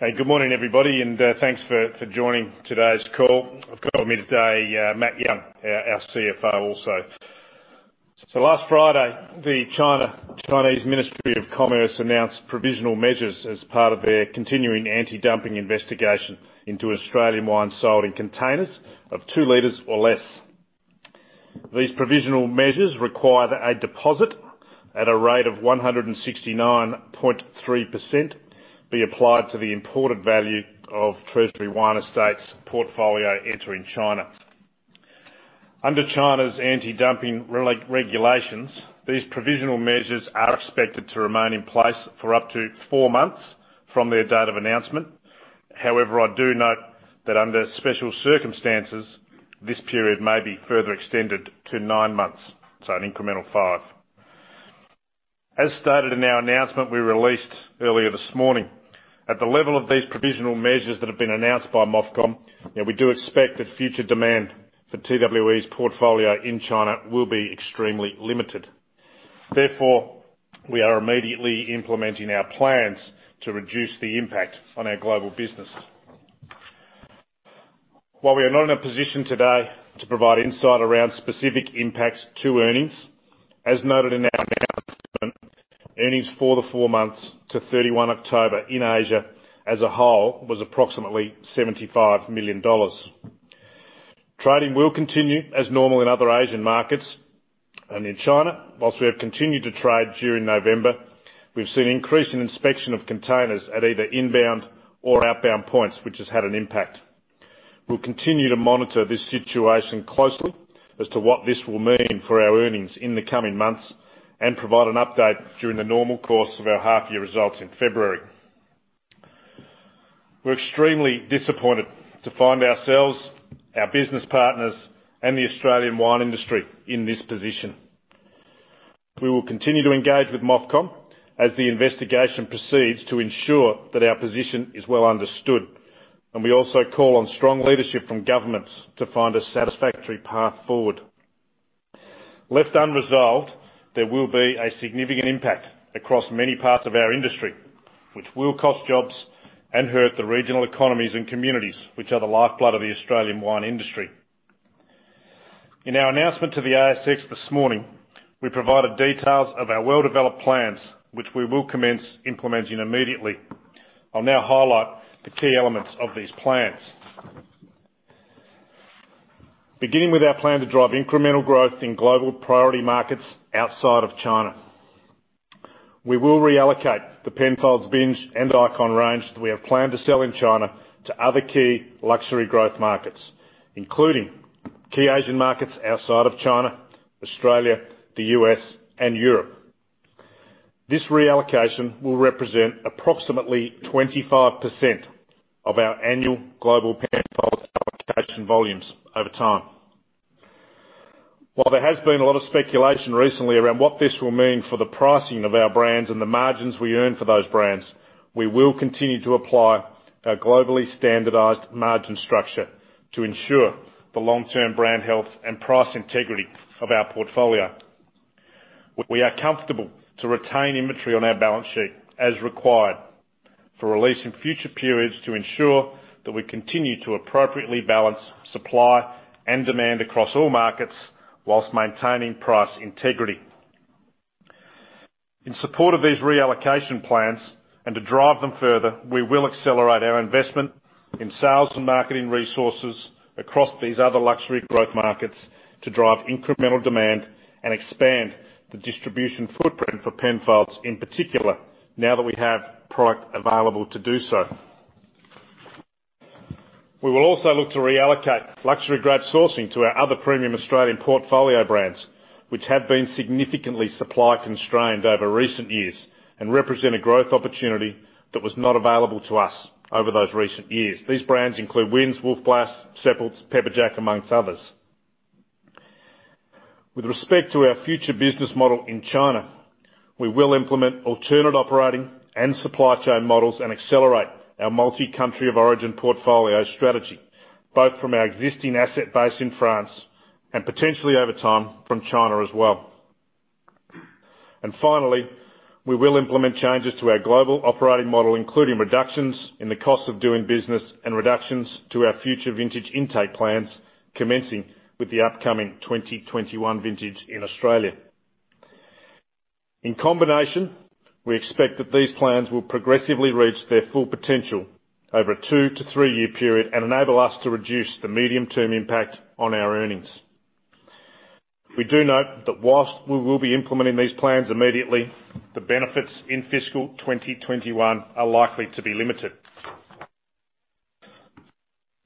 Hey, good morning, everybody, and thanks for joining today's call. I've got with me today Matt Young, our CFO, also. So last Friday, the Chinese Ministry of Commerce announced provisional measures as part of their continuing anti-dumping investigation into Australian wine sold in containers of two liters or less. These provisional measures require that a deposit at a rate of 169.3% be applied to the imported value of Treasury Wine Estates' portfolio entering China. Under China's anti-dumping regulations, these provisional measures are expected to remain in place for up to four months from their date of announcement. However, I do note that under special circumstances, this period may be further extended to nine months, so an incremental five. As stated in our announcement we released earlier this morning, at the level of these provisional measures that have been announced by MOFCOM, we do expect that future demand for TWE's portfolio in China will be extremely limited. Therefore, we are immediately implementing our plans to reduce the impact on our global business. While we are not in a position today to provide insight around specific impacts to earnings, as noted in our announcement, earnings for the four months to 31 October in Asia as a whole was approximately AUD 75 million. Trading will continue as normal in other Asian markets and in China. While we have continued to trade during November, we've seen an increase in inspection of containers at either inbound or outbound points, which has had an impact. We'll continue to monitor this situation closely as to what this will mean for our earnings in the coming months and provide an update during the normal course of our half-year results in February. We're extremely disappointed to find ourselves, our business partners, and the Australian wine industry in this position. We will continue to engage with MOFCOM as the investigation proceeds to ensure that our position is well understood, and we also call on strong leadership from governments to find a satisfactory path forward. Left unresolved, there will be a significant impact across many parts of our industry, which will cost jobs and hurt the regional economies and communities, which are the lifeblood of the Australian wine industry. In our announcement to the ASX this morning, we provided details of our well-developed plans, which we will commence implementing immediately. I'll now highlight the key elements of these plans. Beginning with our plan to drive incremental growth in global priority markets outside of China, we will reallocate the Penfolds, Bin range, and Icon range that we have planned to sell in China to other key luxury growth markets, including key Asian markets outside of China, Australia, the US, and Europe. This reallocation will represent approximately 25% of our annual global Penfolds allocation volumes over time. While there has been a lot of speculation recently around what this will mean for the pricing of our brands and the margins we earn for those brands, we will continue to apply our globally standardised margin structure to ensure the long-term brand health and price integrity of our portfolio. We are comfortable to retain inventory on our balance sheet as required for releasing future periods to ensure that we continue to appropriately balance supply and demand across all markets while maintaining price integrity. In support of these reallocation plans and to drive them further, we will accelerate our investment in sales and marketing resources across these other luxury growth markets to drive incremental demand and expand the distribution footprint for Penfolds, in particular now that we have product available to do so. We will also look to reallocate luxury grade sourcing to our other premium Australian portfolio brands, which have been significantly supply-constrained over recent years and represent a growth opportunity that was not available to us over those recent years. These brands include Wynns, Wolf Blass, Seppelt, Pepperjack, amongst others. With respect to our future business model in China, we will implement alternate operating and supply chain models and accelerate our multi-country of origin portfolio strategy, both from our existing asset base in France and potentially over time from China as well. And finally, we will implement changes to our global operating model, including reductions in the cost of doing business and reductions to our future vintage intake plans, commencing with the upcoming 2021 vintage in Australia. In combination, we expect that these plans will progressively reach their full potential over a two- to three-year period and enable us to reduce the medium-term impact on our earnings. We do note that while we will be implementing these plans immediately, the benefits in fiscal 2021 are likely to be limited.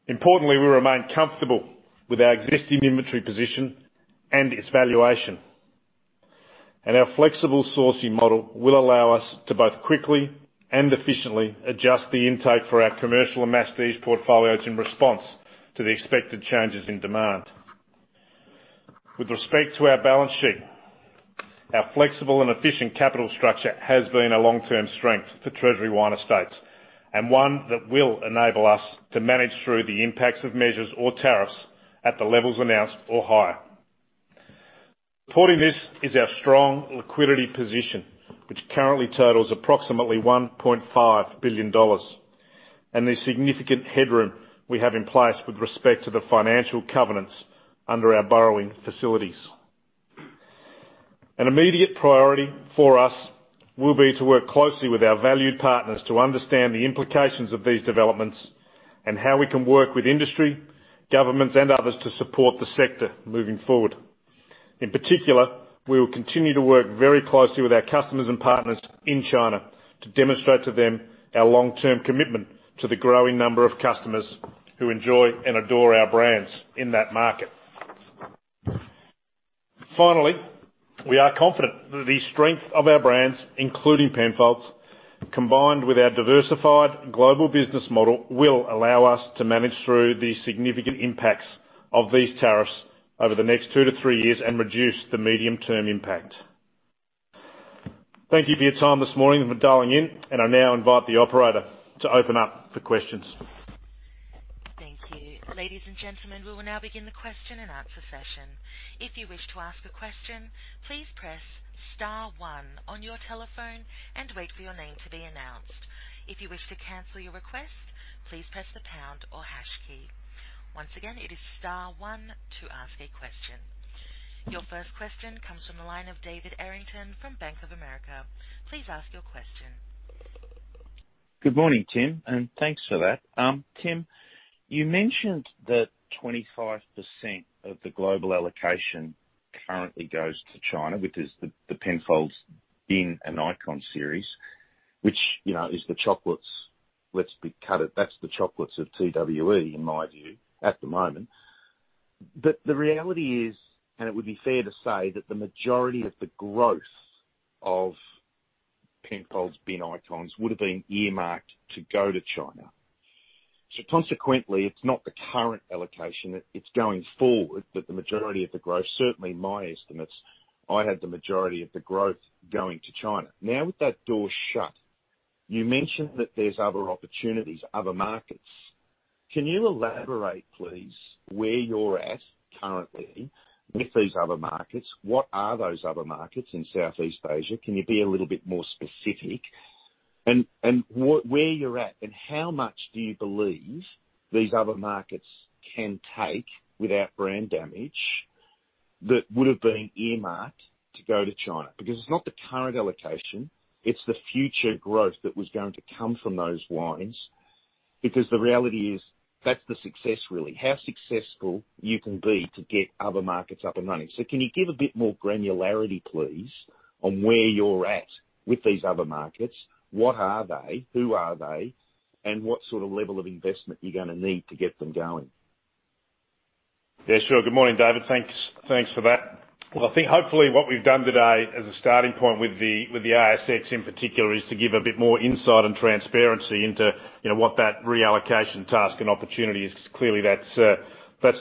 Importantly, we remain comfortable with our existing inventory position and its valuation, and our flexible sourcing model will allow us to both quickly and efficiently adjust the intake for our commercial and masstige portfolios in response to the expected changes in demand. With respect to our balance sheet, our flexible and efficient capital structure has been a long-term strength for Treasury Wine Estates, and one that will enable us to manage through the impacts of measures or tariffs at the levels announced or higher. Supporting this is our strong liquidity position, which currently totals approximately 1.5 billion dollars, and the significant headroom we have in place with respect to the financial covenants under our borrowing facilities. An immediate priority for us will be to work closely with our valued partners to understand the implications of these developments and how we can work with industry, governments, and others to support the sector moving forward. In particular, we will continue to work very closely with our customers and partners in China to demonstrate to them our long-term commitment to the growing number of customers who enjoy and adore our brands in that market. Finally, we are confident that the strength of our brands, including Penfolds, combined with our diversified global business model, will allow us to manage through the significant impacts of these tariffs over the next two to three years and reduce the medium-term impact. Thank you for your time this morning for dialing in, and I now invite the operator to open up for questions. Thank you. Ladies and gentlemen, we will now begin the question and answer session. If you wish to ask a question, please press star one on your telephone and wait for your name to be announced. If you wish to cancel your request, please press the pound or hash key. Once again, it is star one to ask a question. Your first question comes from the line of David Errington from Bank of America. Please ask your question. Good morning, Tim, and thanks for that. Tim, you mentioned that 25% of the global allocation currently goes to China, which is the Penfolds, Bin, and Icon series, which is the chocolates, let's cut it, that's the chocolates of TWE, in my view, at the moment. But the reality is, and it would be fair to say, that the majority of the growth of Penfolds, Bin, and Icons would have been earmarked to go to China. So consequently, it's not the current allocation. It's going forward that the majority of the growth, certainly my estimates, I had the majority of the growth going to China. Now, with that door shut, you mentioned that there's other opportunities, other markets. Can you elaborate, please, where you're at currently with these other markets? What are those other markets in Southeast Asia? Can you be a little bit more specific? Where you're at, and how much do you believe these other markets can take without brand damage that would have been earmarked to go to China? Because it's not the current allocation. It's the future growth that was going to come from those wines. Because the reality is, that's the success, really. How successful you can be to get other markets up and running. Can you give a bit more granularity, please, on where you're at with these other markets? What are they? Who are they? And what sort of level of investment you're going to need to get them going? Yeah, sure. Good morning, David. Thanks for that. Well, I think hopefully what we've done today as a starting point with the ASX in particular is to give a bit more insight and transparency into what that reallocation task and opportunity is, because clearly that's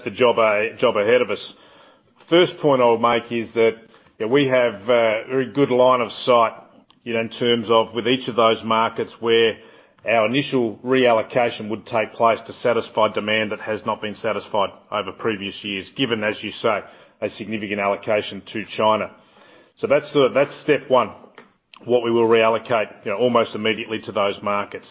the job ahead of us. First point I'll make is that we have a very good line of sight in terms of with each of those markets where our initial reallocation would take place to satisfy demand that has not been satisfied over previous years, given, as you say, a significant allocation to China. So that's step one, what we will reallocate almost immediately to those markets.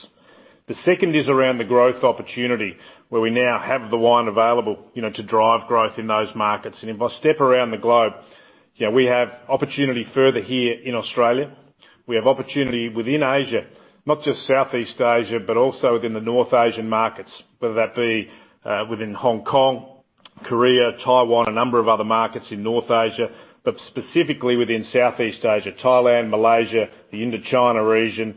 The second is around the growth opportunity, where we now have the wine available to drive growth in those markets. And if I step around the globe, we have opportunity further here in Australia. We have opportunity within Asia, not just Southeast Asia, but also within the North Asian markets, whether that be within Hong Kong, Korea, Taiwan, a number of other markets in North Asia, but specifically within Southeast Asia: Thailand, Malaysia, the Indochina region.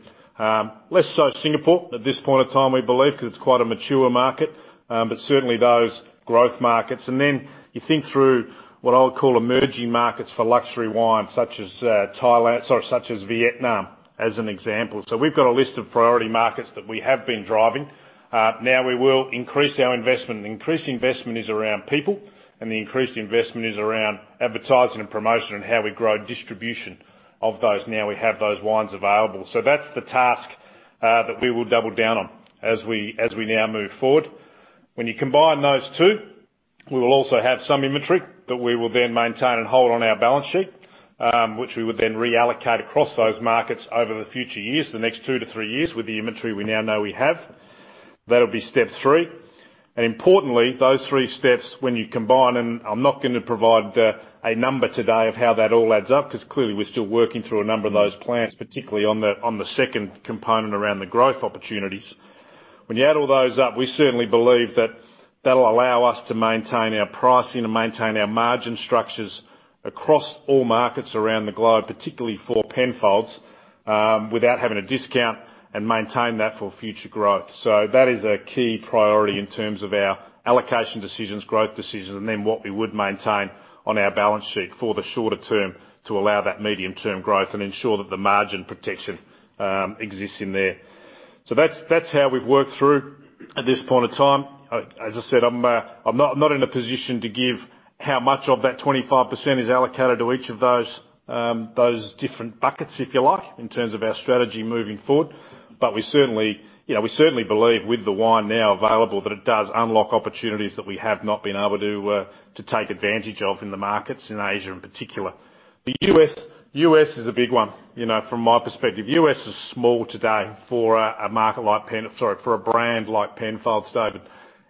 Less so Singapore at this point in time, we believe, because it's quite a mature market, but certainly those growth markets. And then you think through what I would call emerging markets for luxury wine, such as Thailand, sorry, such as Vietnam, as an example. So we've got a list of priority markets that we have been driving. Now we will increase our investment. Increased investment is around people, and the increased investment is around advertising and promotion and how we grow distribution of those now we have those wines available. So that's the task that we will double down on as we now move forward. When you combine those two, we will also have some inventory that we will then maintain and hold on our balance sheet, which we would then reallocate across those markets over the future years, the next two to three years, with the inventory we now know we have. That'll be step three, and importantly, those three steps, when you combine, and I'm not going to provide a number today of how that all adds up, because clearly we're still working through a number of those plans, particularly on the second component around the growth opportunities. When you add all those up, we certainly believe that that'll allow us to maintain our pricing and maintain our margin structures across all markets around the globe, particularly for Penfolds, without having a discount, and maintain that for future growth. So that is a key priority in terms of our allocation decisions, growth decisions, and then what we would maintain on our balance sheet for the shorter term to allow that medium-term growth and ensure that the margin protection exists in there. So that's how we've worked through at this point in time. As I said, I'm not in a position to give how much of that 25% is allocated to each of those different buckets, if you like, in terms of our strategy moving forward. But we certainly believe, with the wine now available, that it does unlock opportunities that we have not been able to take advantage of in the markets in Asia in particular. The U.S. is a big one, from my perspective. The U.S. is small today for a market like Pen - sorry, for a brand like Penfolds, David.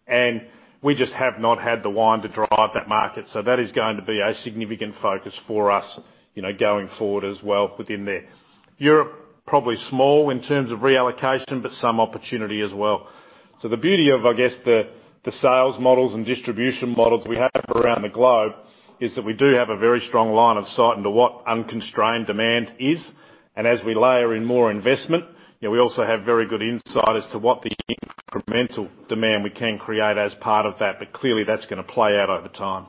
And we just have not had the wine to drive that market. So that is going to be a significant focus for us going forward as well within there. Europe, probably small in terms of reallocation, but some opportunity as well. So the beauty of, I guess, the sales models and distribution models we have around the globe is that we do have a very strong line of sight into what unconstrained demand is. And as we layer in more investment, we also have very good insight as to what the incremental demand we can create as part of that. But clearly, that's going to play out over time.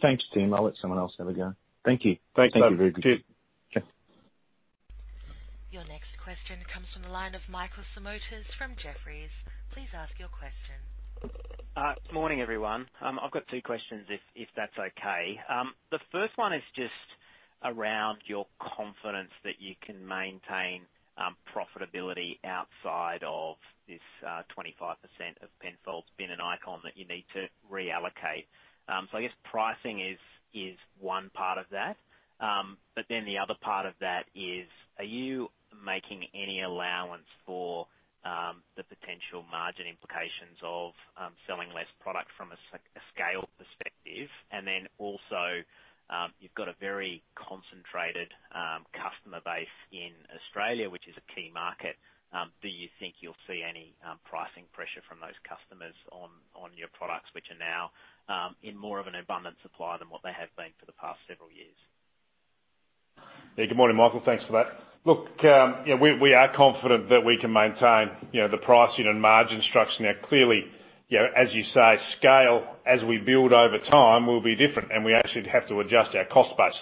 Thanks, Tim. I'll let someone else have a go. Thank you. Thank you. Thank you very much. Cheers. Cheers. Your next question comes from the line of Michael Simotas from Jefferies. Please ask your question. Morning, everyone. I've got two questions, if that's okay. The first one is just around your confidence that you can maintain profitability outside of this 25% of Penfolds, Bin, and Icon that you need to reallocate. So I guess pricing is one part of that. But then the other part of that is, are you making any allowance for the potential margin implications of selling less product from a scale perspective? And then also, you've got a very concentrated customer base in Australia, which is a key market. Do you think you'll see any pricing pressure from those customers on your products, which are now in more of an abundant supply than what they have been for the past several years? Yeah, good morning, Michael. Thanks for that. Look, we are confident that we can maintain the pricing and margin structure. Now, clearly, as you say, scale as we build over time will be different, and we actually have to adjust our cost base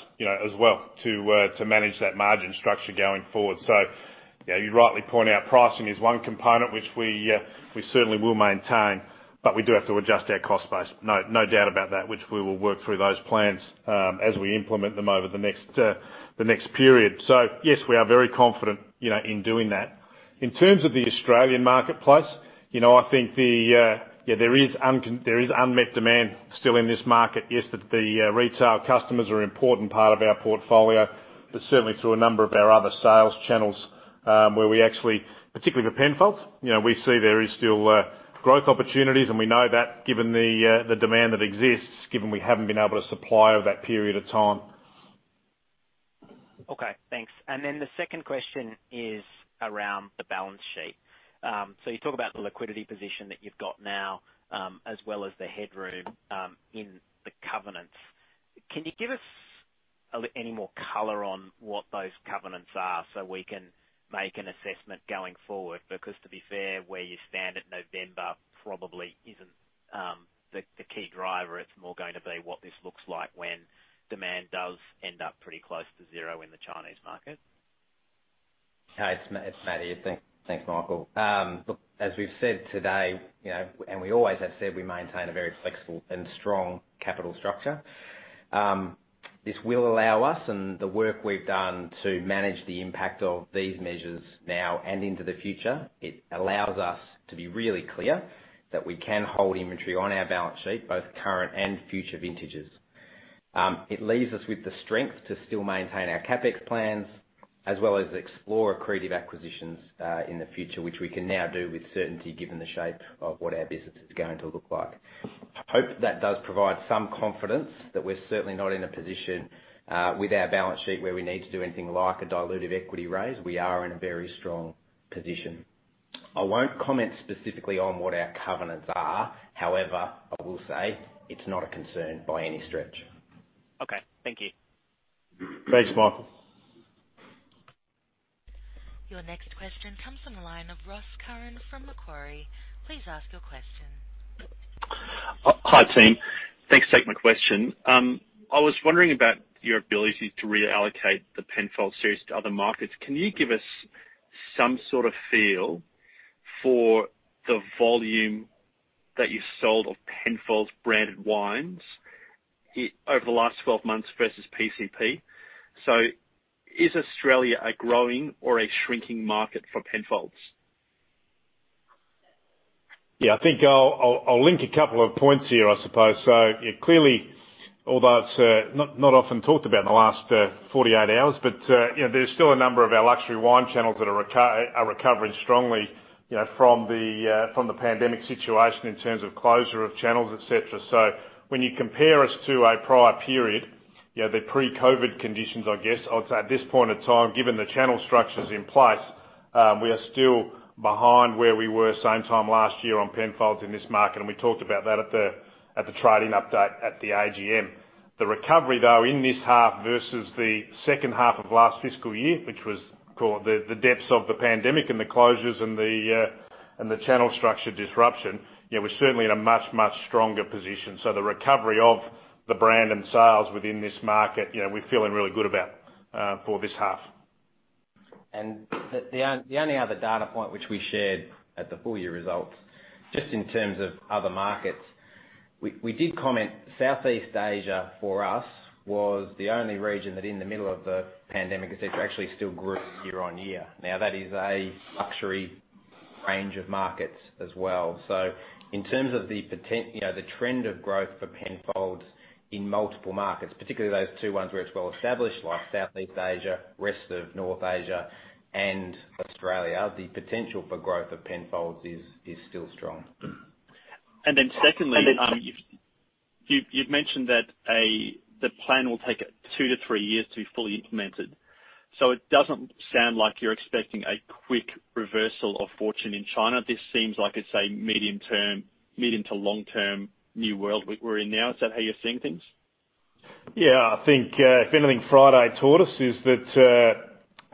as well to manage that margin structure going forward, so you rightly point out, pricing is one component, which we certainly will maintain, but we do have to adjust our cost base, no doubt about that, which we will work through those plans as we implement them over the next period, so yes, we are very confident in doing that. In terms of the Australian marketplace, I think there is unmet demand still in this market. Yes, the retail customers are an important part of our portfolio, but certainly through a number of our other sales channels where we actually, particularly for Penfolds, we see there is still growth opportunities, and we know that given the demand that exists, given we haven't been able to supply over that period of time. Okay. Thanks. And then the second question is around the balance sheet. So you talk about the liquidity position that you've got now, as well as the headroom in the covenants. Can you give us any more color on what those covenants are so we can make an assessment going forward? Because to be fair, where you stand at November probably isn't the key driver. It's more going to be what this looks like when demand does end up pretty close to zero in the Chinese market. Hey, it's Matty here. Thanks, Michael. Look, as we've said today, and we always have said we maintain a very flexible and strong capital structure. This will allow us, and the work we've done to manage the impact of these measures now and into the future, it allows us to be really clear that we can hold inventory on our balance sheet, both current and future vintages. It leaves us with the strength to still maintain our CapEx plans, as well as explore accretive acquisitions in the future, which we can now do with certainty given the shape of what our business is going to look like. I hope that does provide some confidence that we're certainly not in a position with our balance sheet where we need to do anything like a dilutive equity raise. We are in a very strong position. I won't comment specifically on what our covenants are. However, I will say it's not a concern by any stretch. Okay. Thank you. Thanks, Michael. Your next question comes from the line of Ross Currfan from Macquarie. Please ask your question. Hi, Tim. Thanks for taking my question. I was wondering about your ability to reallocate the Penfolds series to other markets. Can you give us some sort of feel for the volume that you've sold of Penfolds branded wines over the last 12 months versus PCP? So is Australia a growing or a shrinking market for Penfolds? Yeah, I think I'll link a couple of points here, I suppose. So clearly, although it's not often talked about in the last 48 hours, but there's still a number of our luxury wine channels that are recovering strongly from the pandemic situation in terms of closure of channels, etc. So when you compare us to a prior period, the pre-COVID conditions, I guess, I'd say at this point in time, given the channel structures in place, we are still behind where we were same time last year on Penfolds in this market. And we talked about that at the trading update at the AGM. The recovery, though, in this half versus the second half of last fiscal year, which was called the depths of the pandemic and the closures and the channel structure disruption, we're certainly in a much, much stronger position. So the recovery of the brand and sales within this market, we're feeling really good about for this half. And the only other data point which we shared at the full year results, just in terms of other markets, we did comment Southeast Asia for us was the only region that in the middle of the pandemic, etc., actually still grew year on year. Now, that is a luxury range of markets as well. So in terms of the trend of growth for Penfolds in multiple markets, particularly those two ones where it's well established, like Southeast Asia, rest of North Asia and Australia, the potential for growth of Penfolds is still strong. And then, secondly. And then. You've mentioned that the plan will take two to three years to be fully implemented. So it doesn't sound like you're expecting a quick reversal of fortune in China. This seems like it's a medium-term, medium to long-term new world we're in now. Is that how you're seeing things? Yeah. I think if anything Friday taught us is that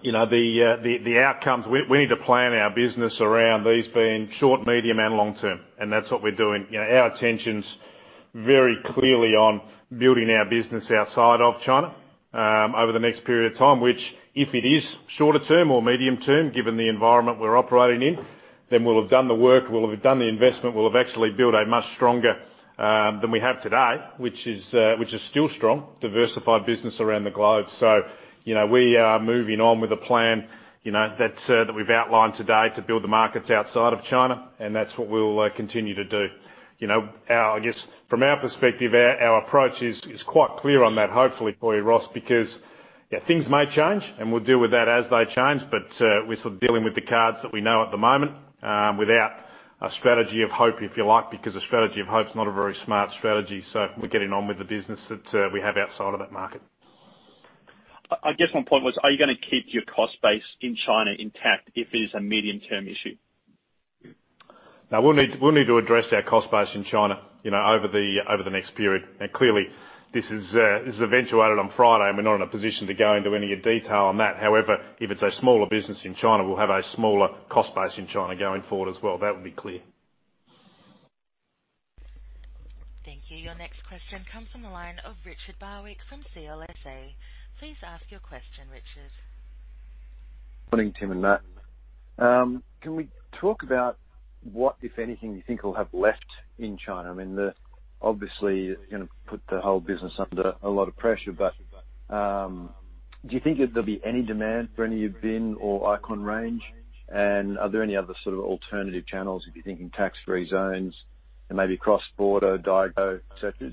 the outcomes, we need to plan our business around these being short, medium, and long-term. And that's what we're doing. Our attention's very clearly on building our business outside of China over the next period of time, which, if it is shorter term or medium term, given the environment we're operating in, then we'll have done the work, we'll have done the investment, we'll have actually built a much stronger than we have today, which is still strong. Diversified business around the globe. So we are moving on with a plan that we've outlined today to build the markets outside of China. And that's what we'll continue to do. I guess from our perspective, our approach is quite clear on that, hopefully, for you, Ross, because things may change, and we'll deal with that as they change. But we're sort of dealing with the cards that we know at the moment without a strategy of hope, if you like, because a strategy of hope's not a very smart strategy. So we're getting on with the business that we have outside of that market. I guess my point was, are you going to keep your cost base in China intact if it is a medium-term issue? We'll need to address our cost base in China over the next period, and clearly, this is eventuated on Friday, and we're not in a position to go into any detail on that. However, if it's a smaller business in China, we'll have a smaller cost base in China going forward as well. That will be clear. Thank you. Your next question comes from the line of Richard Barwick from CLSA. Please ask your question, Richard. Morning, Tim and Matt. Can we talk about what, if anything, you think will have left in China? I mean, obviously, you're going to put the whole business under a lot of pressure. But do you think there'll be any demand for any of Bin or Icon range? And are there any other sort of alternative channels, if you're thinking tax-free zones and maybe cross-border, Daigou, etc.?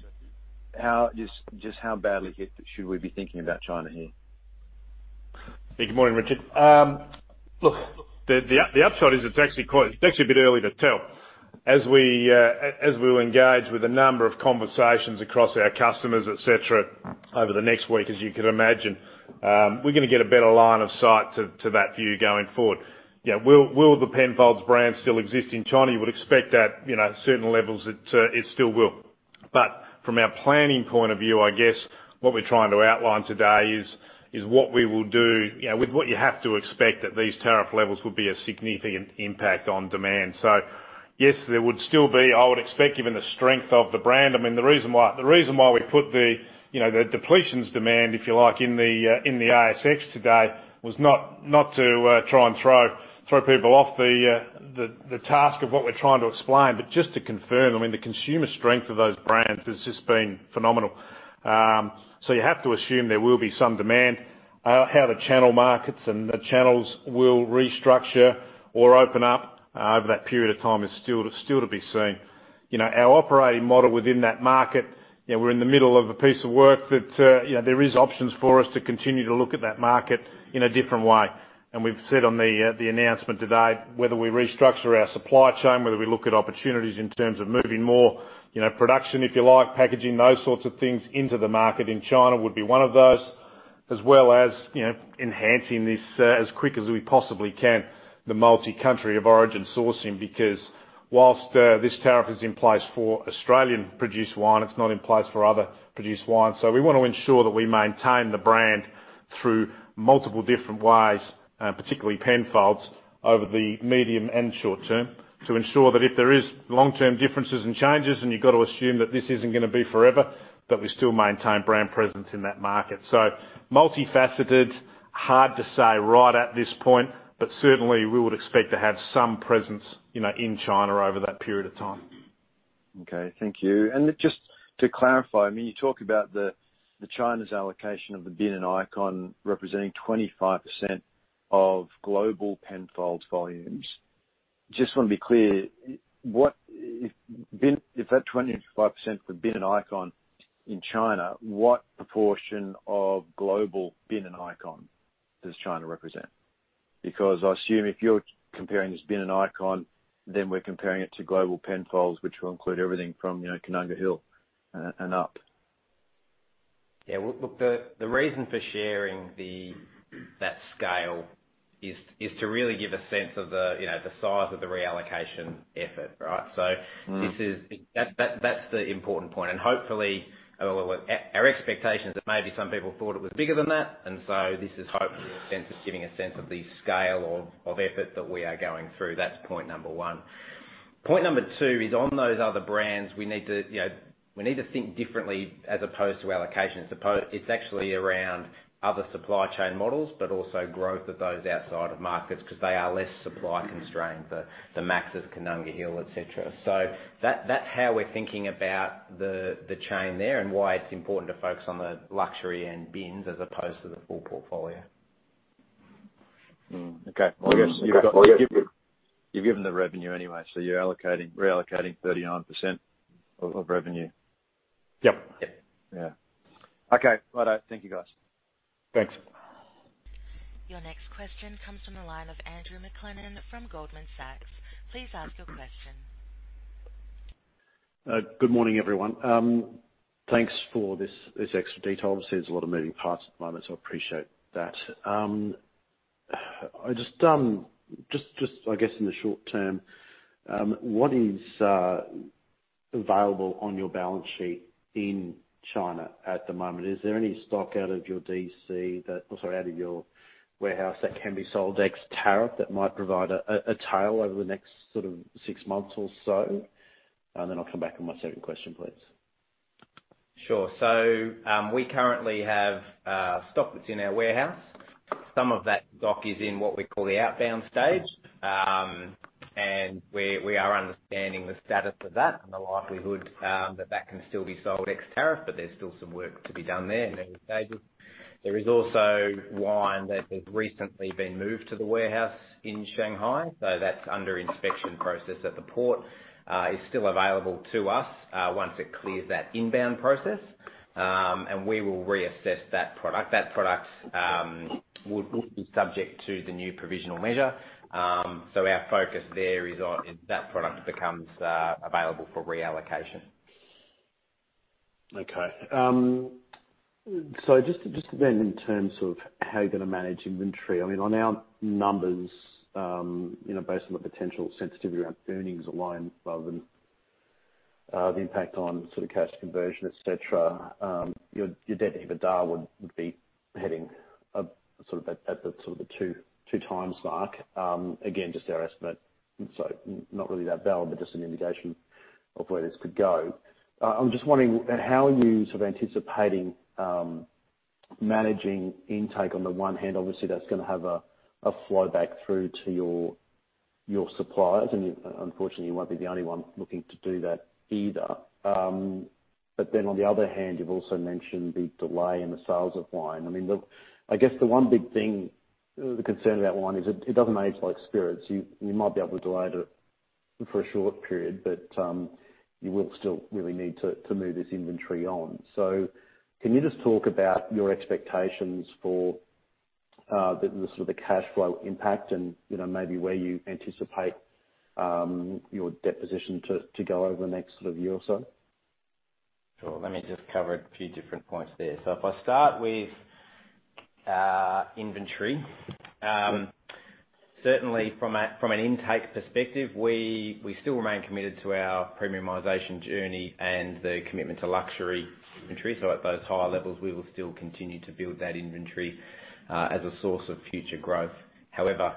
Just how badly should we be thinking about China here? Hey, good morning, Richard. Look, the upshot is it's actually a bit early to tell. As we'll engage with a number of conversations across our customers, etc., over the next week, as you can imagine, we're going to get a better line of sight to that view going forward. Will the Penfolds brand still exist in China? You would expect at certain levels it still will. But from our planning point of view, I guess what we're trying to outline today is what we will do with what you have to expect that these tariff levels would be a significant impact on demand. So yes, there would still be, I would expect, given the strength of the brand. I mean, the reason why we put the depletions demand, if you like, in the ASX today was not to try and throw people off the task of what we're trying to explain, but just to confirm, I mean, the consumer strength of those brands has just been phenomenal. So you have to assume there will be some demand. How the channel markets and the channels will restructure or open up over that period of time is still to be seen. Our operating model within that market, we're in the middle of a piece of work that there is options for us to continue to look at that market in a different way. And we've said on the announcement today, whether we restructure our supply chain, whether we look at opportunities in terms of moving more production, if you like, packaging, those sorts of things into the market in China would be one of those, as well as enhancing this as quick as we possibly can, the multi-country of origin sourcing. Because while this tariff is in place for Australian-produced wine, it's not in place for other-produced wine. So we want to ensure that we maintain the brand through multiple different ways, particularly Penfolds, over the medium and short term to ensure that if there is long-term differences and changes, and you've got to assume that this isn't going to be forever, that we still maintain brand presence in that market. So multifaceted, hard to say right at this point, but certainly we would expect to have some presence in China over that period of time. Okay. Thank you. And just to clarify, I mean, you talk about China's allocation of the Bin and Icon representing 25% of global Penfolds volumes. Just want to be clear, if that 25% for Bin and Icon in China, what proportion of global Bin and Icon does China represent? Because I assume if you're comparing this Bin and Icon, then we're comparing it to global Penfolds, which will include everything from Koonunga Hill and up. Yeah. Look, the reason for sharing that scale is to really give a sense of the size of the reallocation effort, right? So that's the important point. And hopefully, our expectation is that maybe some people thought it was bigger than that. And so this is hopefully giving a sense of the scale of effort that we are going through. That's point number one. Point number two is on those other brands, we need to think differently as opposed to allocation. It's actually around other supply chain models, but also growth of those outside of markets because they are less supply constrained, the Max's Koonunga Hill, etc. So that's how we're thinking about the chain there and why it's important to focus on the luxury and bins as opposed to the full portfolio. Okay. Well, I guess you've given the revenue anyway. So you're reallocating 39% of revenue. Yep. Yeah. Okay. All right. Thank you, guys. Thanks. Your next question comes from the line of Andrew McLennan from Goldman Sachs. Please ask your question. Good morning, everyone. Thanks for this extra detail. Obviously, there's a lot of moving parts at the moment, so I appreciate that. Just, I guess, in the short term, what is available on your balance sheet in China at the moment? Is there any stock out of your DC that, or sorry, out of your warehouse that can be sold ex-tariff that might provide a tail over the next sort of six months or so? And then I'll come back on my second question, please. Sure. So we currently have stock that's in our warehouse. Some of that stock is in what we call the outbound stage. And we are understanding the status of that and the likelihood that that can still be sold ex-tariff, but there's still some work to be done there in early stages. There is also wine that has recently been moved to the warehouse in Shanghai. So that's under inspection process at the port. It's still available to us once it clears that inbound process. And we will reassess that product. That product would be subject to the new provisional measure. So our focus there is that product becomes available for reallocation. Okay. So just then in terms of how you're going to manage inventory, I mean, on our numbers, based on the potential sensitivity around earnings aligned rather than the impact on sort of cash conversion, etc., your debt to EBITDA would be heading sort of at the sort of the two-time mark. Again, just our estimate. So not really that valid, but just an indication of where this could go. I'm just wondering how you're sort of anticipating managing intake on the one hand. Obviously, that's going to have a flow back through to your suppliers. And unfortunately, you won't be the only one looking to do that either. But then on the other hand, you've also mentioned the delay in the sales of wine. I mean, I guess the one big thing, the concern about wine is it doesn't age like spirits. You might be able to delay it for a short period, but you will still really need to move this inventory on. So can you just talk about your expectations for sort of the cash flow impact and maybe where you anticipate your debt position to go over the next sort of year or so? Sure. Let me just cover a few different points there. So if I start with inventory, certainly from an intake perspective, we still remain committed to our premiumization journey and the commitment to luxury inventory. So at those higher levels, we will still continue to build that inventory as a source of future growth. However,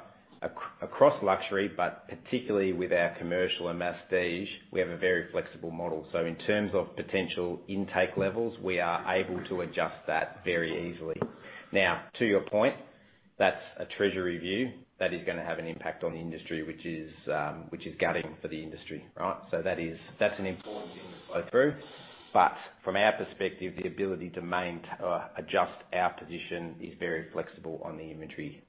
across luxury, but particularly with our commercial and mass stage, we have a very flexible model. So in terms of potential intake levels, we are able to adjust that very easily. Now, to your point, that's a treasury view that is going to have an impact on the industry, which is gutting for the industry, right? So that's an important thing to flow through. But from our perspective, the ability to adjust our position is very flexible on the inventory.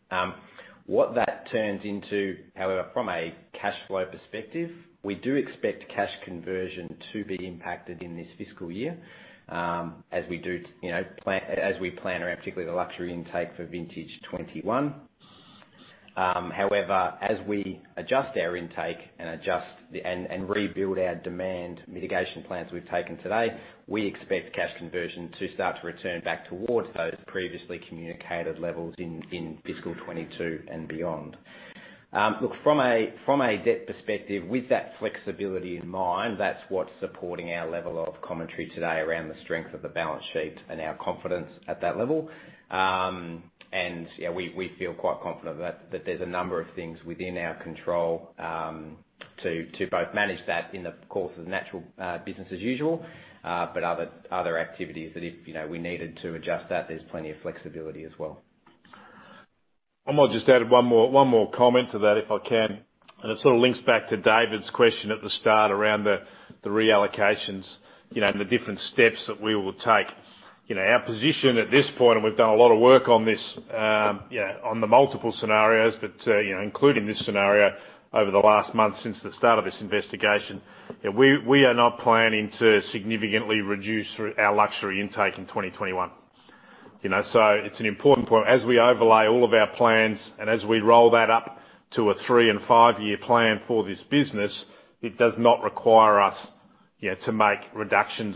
What that turns into, however, from a cash flow perspective, we do expect cash conversion to be impacted in this fiscal year as we plan around particularly the luxury intake for vintage 2021. However, as we adjust our intake and rebuild our demand mitigation plans we've taken today, we expect cash conversion to start to return back towards those previously communicated levels in fiscal 2022 and beyond. Look, from a debt perspective, with that flexibility in mind, that's what's supporting our level of commentary today around the strength of the balance sheet and our confidence at that level. And yeah, we feel quite confident that there's a number of things within our control to both manage that in the course of the natural business as usual, but other activities that if we needed to adjust that, there's plenty of flexibility as well. I might just add one more comment to that, if I can, and it sort of links back to David's question at the start around the reallocations and the different steps that we will take. Our position at this point, and we've done a lot of work on this, on the multiple scenarios, but including this scenario over the last month since the start of this investigation, we are not planning to significantly reduce our luxury intake in 2021, so it's an important point. As we overlay all of our plans and as we roll that up to a three and five-year plan for this business, it does not require us to make reductions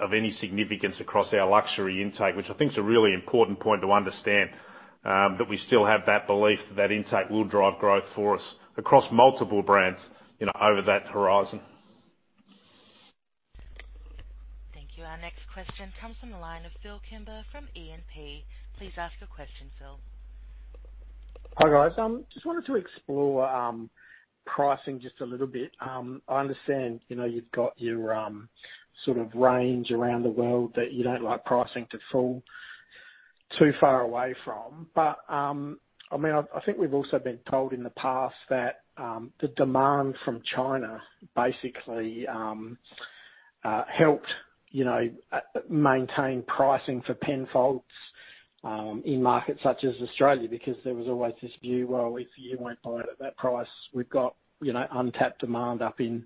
of any significance across our luxury intake, which I think is a really important point to understand that we still have that belief that that intake will drive growth for us across multiple brands over that horizon. Thank you. Our next question comes from the line of Phil Kimber from E&P. Please ask your question, Phil. Hi, guys. I just wanted to explore pricing just a little bit. I understand you've got your sort of range around the world that you don't like pricing to fall too far away from. But I mean, I think we've also been told in the past that the demand from China basically helped maintain pricing for Penfolds in markets such as Australia because there was always this view, "Well, if you won't buy it at that price, we've got untapped demand up in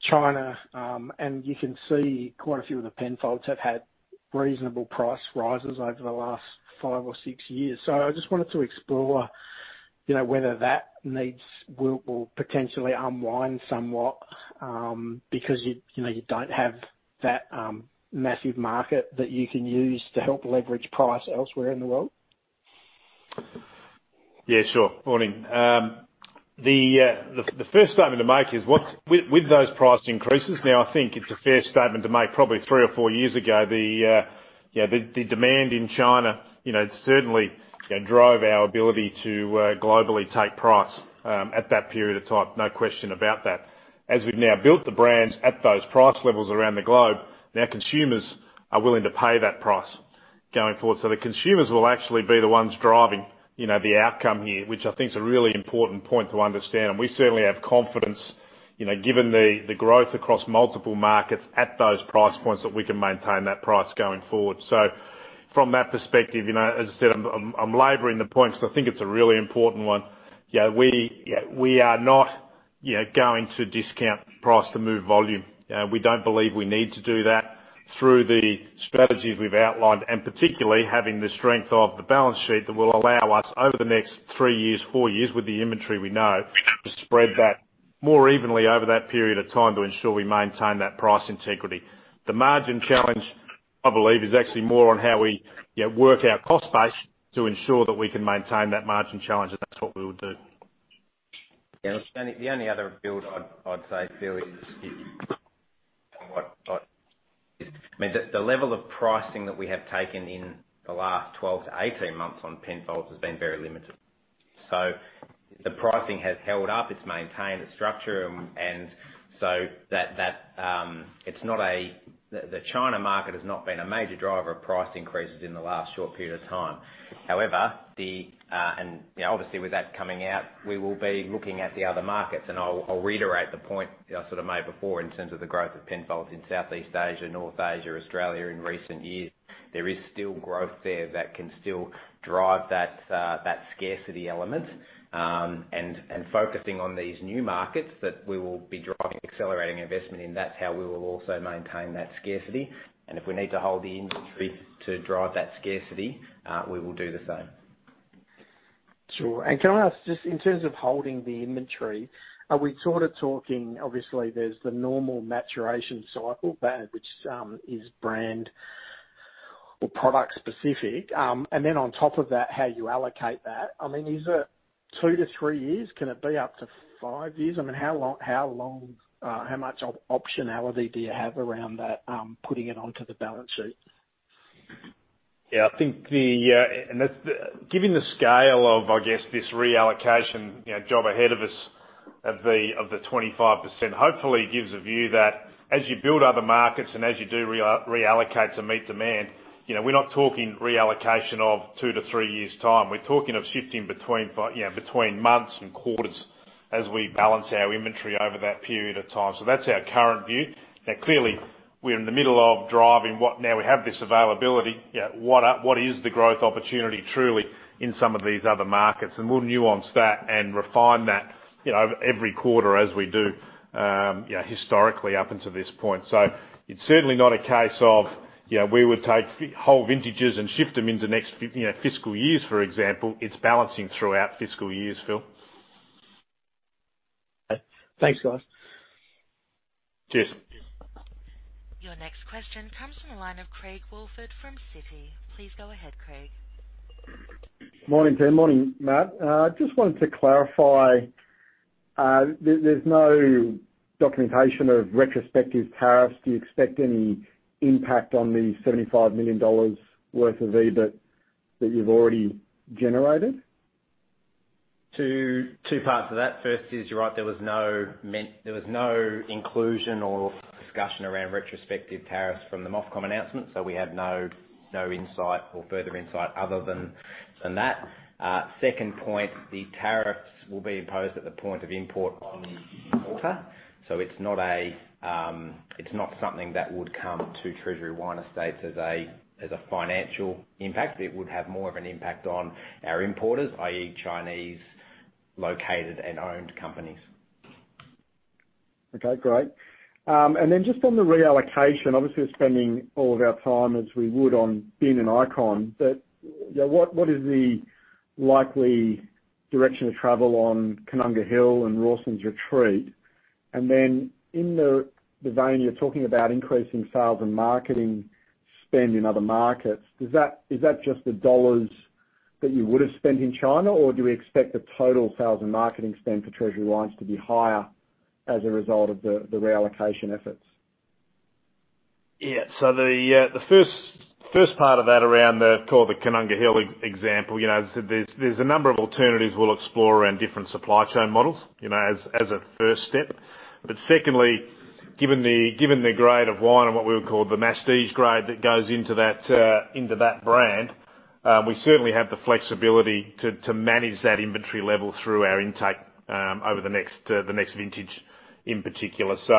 China." And you can see quite a few of the Penfolds have had reasonable price rises over the last five or six years. So I just wanted to explore whether that will potentially unwind somewhat because you don't have that massive market that you can use to help leverage price elsewhere in the world. Yeah, sure. Morning. The first statement to make is with those price increases. Now, I think it's a fair statement to make probably three or four years ago, the demand in China certainly drove our ability to globally take price at that period of time. No question about that. As we've now built the brands at those price levels around the globe, now consumers are willing to pay that price going forward, so the consumers will actually be the ones driving the outcome here, which I think is a really important point to understand, and we certainly have confidence, given the growth across multiple markets at those price points, that we can maintain that price going forward. So from that perspective, as I said, I'm laboring the point because I think it's a really important one. Yeah, we are not going to discount price to move volume. We don't believe we need to do that through the strategies we've outlined and particularly having the strength of the balance sheet that will allow us over the next three years, four years, with the inventory we know, to spread that more evenly over that period of time to ensure we maintain that price integrity. The margin challenge, I believe, is actually more on how we work our cost base to ensure that we can maintain that margin challenge. That's what we will do. Yeah. The only other build I'd say, Phil, is I mean, the level of pricing that we have taken in the last 12 to 18 months on Penfolds has been very limited. So the pricing has held up. It's maintained the structure. And so it's not that the China market has not been a major driver of price increases in the last short period of time. However, and obviously, with that coming out, we will be looking at the other markets. And I'll reiterate the point I sort of made before in terms of the growth of Penfolds in Southeast Asia, North Asia, Australia in recent years. There is still growth there that can still drive that scarcity element. And focusing on these new markets that we will be driving accelerating investment in, that's how we will also maintain that scarcity. If we need to hold the inventory to drive that scarcity, we will do the same. Sure. And can I ask just in terms of holding the inventory, we're sort of talking, obviously, there's the normal maturation cycle, which is brand or product specific. And then on top of that, how you allocate that. I mean, is it two-three years? Can it be up to five years? I mean, how long, how much optionality do you have around that, putting it onto the balance sheet? Yeah. I think the, and given the scale of, I guess, this reallocation job ahead of us of the 25%, hopefully gives a view that as you build other markets and as you do reallocate to meet demand, we're not talking reallocation of two to three years' time. We're talking of shifting between months and quarters as we balance our inventory over that period of time. So that's our current view. Now, clearly, we're in the middle of driving what now we have this availability. What is the growth opportunity truly in some of these other markets? And we'll nuance that and refine that every quarter as we do historically up until this point. So it's certainly not a case of we would take whole vintages and shift them into next fiscal years, for example. It's balancing throughout fiscal years, Phil. Okay. Thanks, guys. Cheers. Your next question comes from the line of Craig Woolford from Citi. Please go ahead, Craig. Morning, Tim. Morning, Matt. I just wanted to clarify there's no documentation of retrospective tariffs. Do you expect any impact on the 75 million dollars worth of EBIT that you've already generated? Two parts of that. First is, you're right, there was no inclusion or discussion around retrospective tariffs from the MOFCOM announcement. So we had no insight or further insight other than that. Second point, the tariffs will be imposed at the point of import on the importer. So it's not something that would come to Treasury Wine Estates as a financial impact. It would have more of an impact on our importers, i.e., Chinese located and owned companies. Okay. Great. And then just on the reallocation, obviously, we're spending all of our time as we would on Bin and Icon, but what is the likely direction of travel on Koonunga Hill and Rawson's Retreat? And then in the vein, you're talking about increasing sales and marketing spend in other markets. Is that just the dollars that you would have spent in China, or do we expect the total sales and marketing spend for Treasury Wines to be higher as a result of the reallocation efforts? Yeah. So the first part of that around the, call it the Koonunga Hill example, there's a number of alternatives we'll explore around different supply chain models as a first step. But secondly, given the grade of wine and what we would call the mass stage grade that goes into that brand, we certainly have the flexibility to manage that inventory level through our intake over the next vintage in particular. So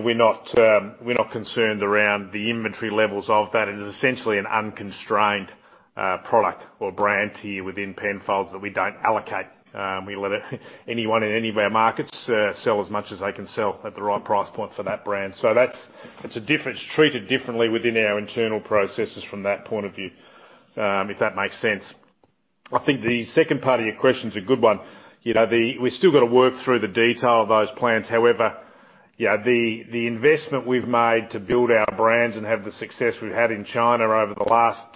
we're not concerned around the inventory levels of that. It is essentially an unconstrained product or brand here within Penfolds that we don't allocate. We let anyone in any of our markets sell as much as they can sell at the right price point for that brand. So it's treated differently within our internal processes from that point of view, if that makes sense. I think the second part of your question is a good one. We've still got to work through the detail of those plans. However, the investment we've made to build our brands and have the success we've had in China over the last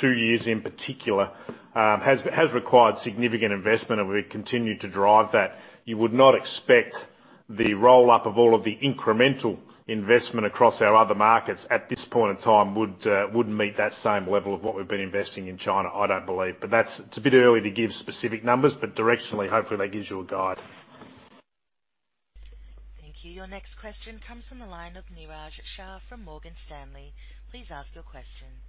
two years in particular has required significant investment, and we continue to drive that. You would not expect the roll-up of all of the incremental investment across our other markets at this point in time would meet that same level of what we've been investing in China, I don't believe. But it's a bit early to give specific numbers, but directionally, hopefully, that gives you a guide. Thank you. Your next question comes from the line of Neeraj Shah from Morgan Stanley. Please ask your question.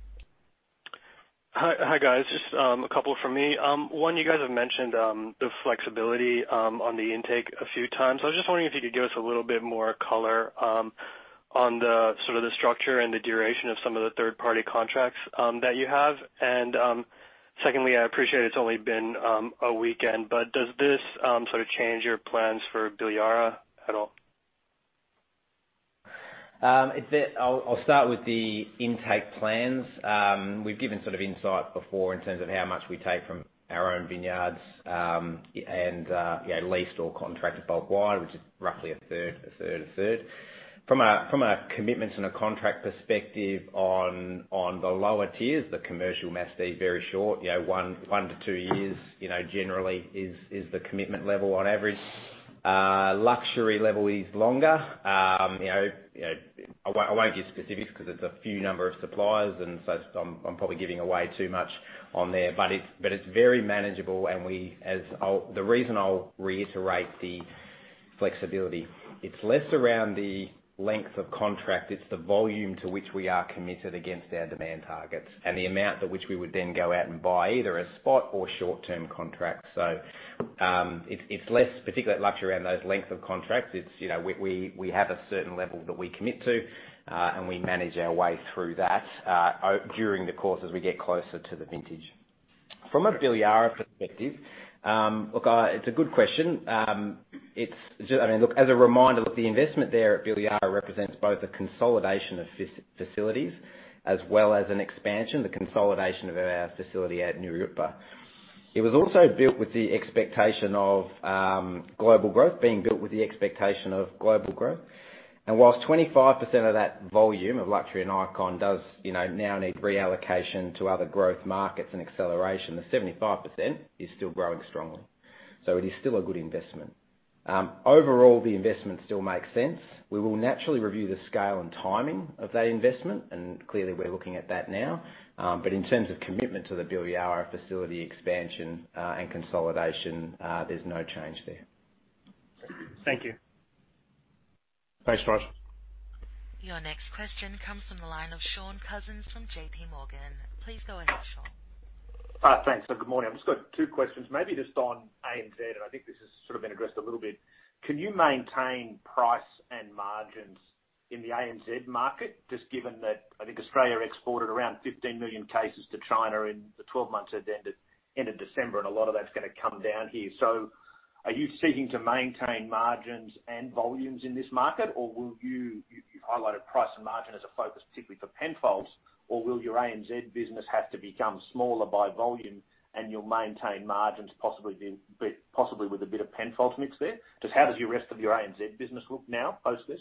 Hi, guys. Just a couple from me. One, you guys have mentioned the flexibility on the intake a few times. I was just wondering if you could give us a little bit more color on sort of the structure and the duration of some of the third-party contracts that you have. And secondly, I appreciate it's only been a weekend, but does this sort of change your plans for Bilyara at all? I'll start with the intake plans. We've given sort of insight before in terms of how much we take from our own vineyards and leased or contracted bulk wine, which is roughly a third, a third, a third. From a commitments and a contract perspective on the lower tiers, the commercial mass stage, very short, one to two years generally is the commitment level on average. Luxury level is longer. I won't get specific because it's a few number of suppliers, and so I'm probably giving away too much on there. But it's very manageable. And the reason I'll reiterate the flexibility, it's less around the length of contract. It's the volume to which we are committed against our demand targets and the amount to which we would then go out and buy either a spot or short-term contract. So it's less particularly at luxury around those length of contracts. We have a certain level that we commit to, and we manage our way through that during the course as we get closer to the vintage. From a Bilyara perspective, look, it's a good question. I mean, look, as a reminder, look, the investment there at Bilyara represents both a consolidation of facilities as well as an expansion, the consolidation of our facility at Nuriootpa. It was also built with the expectation of global growth, being built with the expectation of global growth. And while 25% of that volume of luxury and icon does now need reallocation to other growth markets and acceleration, the 75% is still growing strongly. So it is still a good investment. Overall, the investment still makes sense. We will naturally review the scale and timing of that investment. And clearly, we're looking at that now. But in terms of commitment to the Bilyara facility expansion and consolidation, there's no change there. Thank you. Thanks, guys. Your next question comes from the line of Shawn Cousins from JP Morgan. Please go ahead, Shawn. Hi, thanks. Good morning. I've just got two questions, maybe just on ANZ. I think this has sort of been addressed a little bit. Can you maintain price and margins in the ANZ market, just given that I think Australia exported around 15 million cases to China in the 12 months ended December, and a lot of that's going to come down here? So are you seeking to maintain margins and volumes in this market, or will you? You've highlighted price and margin as a focus particularly for Penfolds, or will your ANZ business have to become smaller by volume and you'll maintain margins possibly with a bit of Penfolds mix there? Just how does the rest of your ANZ business look now post this?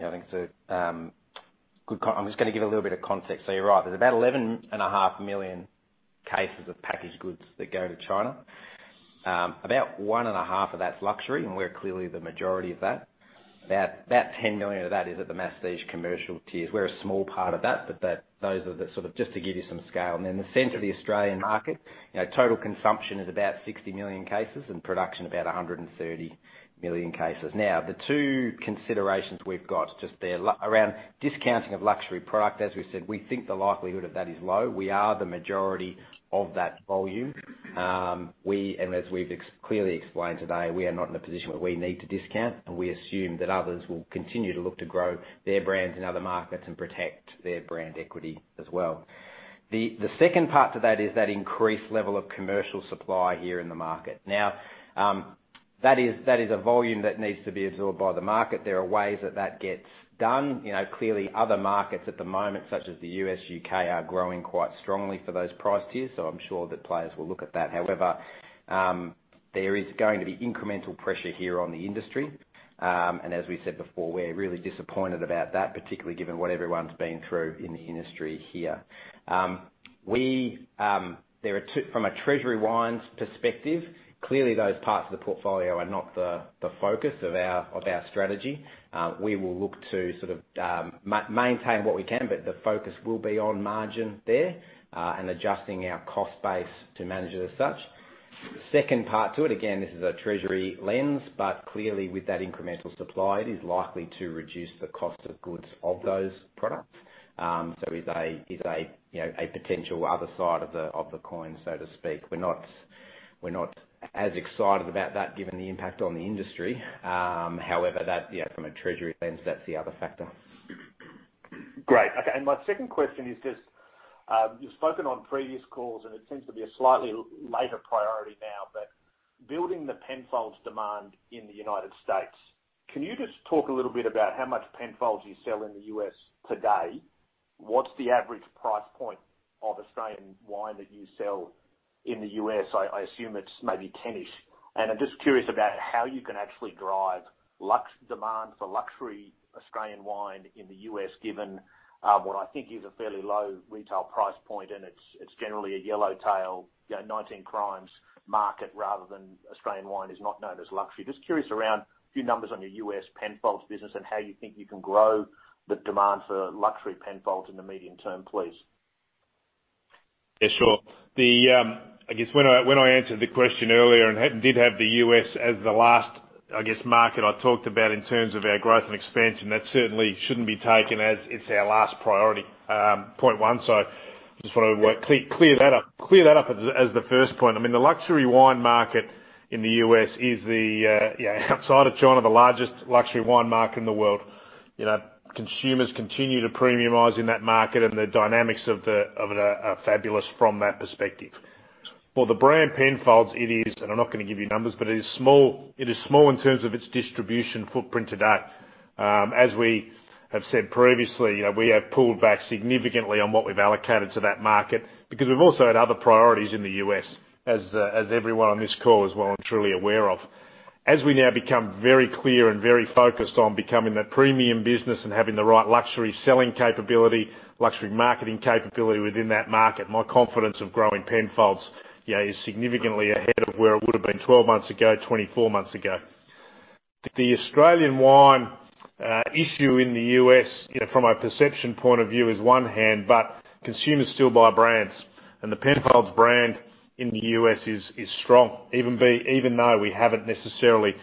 Yeah, I think it's a good. I'm just going to give a little bit of context. So you're right. There's about 11.5 million cases of packaged goods that go to China. About 1.5 of that's luxury, and we're clearly the majority of that. About 10 million of that is at the mass and commercial tiers. We're a small part of that, but those are the sort of just to give you some scale. And then the size of the Australian market, total consumption is about 60 million cases and production about 130 million cases. Now, the two considerations we've got just there around discounting of luxury product, as we said, we think the likelihood of that is low. We are the majority of that volume. And as we've clearly explained today, we are not in a position where we need to discount, and we assume that others will continue to look to grow their brands in other markets and protect their brand equity as well. The second part to that is that increased level of commercial supply here in the market. Now, that is a volume that needs to be absorbed by the market. There are ways that that gets done. Clearly, other markets at the moment, such as the U.S., U.K., are growing quite strongly for those price tiers, so I'm sure that players will look at that. However, there is going to be incremental pressure here on the industry. And as we said before, we're really disappointed about that, particularly given what everyone's been through in the industry here. From a Treasury Wine Estates perspective, clearly, those parts of the portfolio are not the focus of our strategy. We will look to sort of maintain what we can, but the focus will be on margin there and adjusting our cost base to manage it as such. Second part to it, again, this is a Treasury lens, but clearly, with that incremental supply, it is likely to reduce the cost of goods of those products. So it is a potential other side of the coin, so to speak. We're not as excited about that given the impact on the industry. However, from a Treasury lens, that's the other factor. Great. Okay. And my second question is just you've spoken on previous calls, and it seems to be a slightly later priority now, but building the Penfolds demand in the United States. Can you just talk a little bit about how much Penfolds you sell in the US today? What's the average price point of Australian wine that you sell in the US? I assume it's maybe 10-ish. And I'm just curious about how you can actually drive demand for luxury Australian wine in the US, given what I think is a fairly low retail price point, and it's generally a Yellow Tail, 19 Crimes market rather than Australian wine is not known as luxury. Just curious around a few numbers on your US Penfolds business and how you think you can grow the demand for luxury Penfolds in the medium term, please. Yeah, sure. I guess when I answered the question earlier and did have the U.S. as the last, I guess, market I talked about in terms of our growth and expansion, that certainly shouldn't be taken as it's our last priority point one. So just want to clear that up as the first point. I mean, the luxury wine market in the U.S. is, outside of China, the largest luxury wine market in the world. Consumers continue to premiumize in that market, and the dynamics of it are fabulous from that perspective. For the brand Penfolds, it is, and I'm not going to give you numbers, but it is small in terms of its distribution footprint today. As we have said previously, we have pulled back significantly on what we've allocated to that market because we've also had other priorities in the U.S., as everyone on this call is well and truly aware of. As we now become very clear and very focused on becoming that premium business and having the right luxury selling capability, luxury marketing capability within that market, my confidence of growing Penfolds is significantly ahead of where it would have been 12 months ago, 24 months ago. The Australian wine issue in the U.S., from a perception point of view, is on one hand, but consumers still buy brands, and the Penfolds brand in the U.S. is strong, even though we haven't necessarily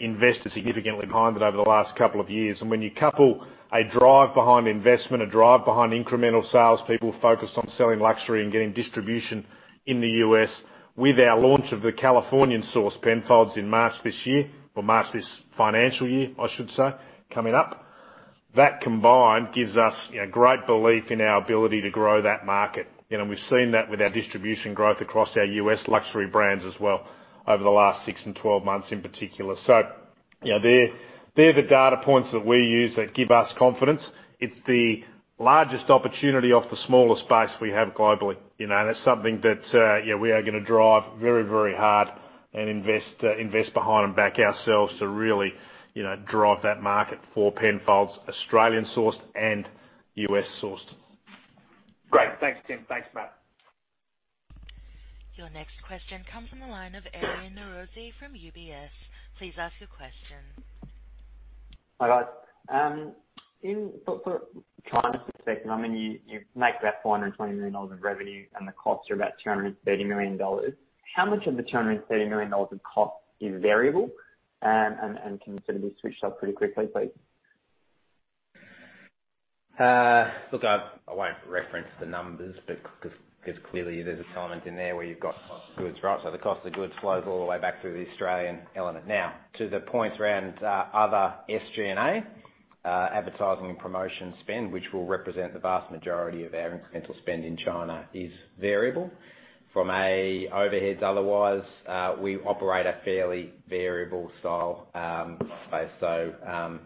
invested significantly behind it over the last couple of years. And when you couple a drive behind investment, a drive behind incremental sales, people focused on selling luxury and getting distribution in the U.S. with our launch of the Californian sourced Penfolds in March this year, or March this financial year, I should say, coming up, that combined gives us great belief in our ability to grow that market. And we've seen that with our distribution growth across our U.S. luxury brands as well over the last six and 12 months in particular. So they're the data points that we use that give us confidence. It's the largest opportunity off the smallest base we have globally. And it's something that we are going to drive very, very hard and invest behind and back ourselves to really drive that market for Penfolds, Australian sourced and U.S. sourced. Great. Thanks, Tim. Thanks, Matt. Your next question comes from the line of Aryan Norozi from UBS. Please ask your question. Hi, guys. In sort of China's perspective, I mean, you make about 420 million dollars in revenue, and the costs are about 230 million dollars. How much of the 230 million dollars in cost is variable and can sort of be switched up pretty quickly, please? Look, I won't reference the numbers, but clearly, there's an element in there where you've got cost of goods, right? So the cost of goods flows all the way back through the Australian element. Now, to the points around other SG&A advertising and promotion spend, which will represent the vast majority of our incremental spend in China, is variable. From an overheads otherwise, we operate a fairly variable style cost base. So